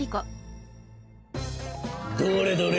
どれどれ。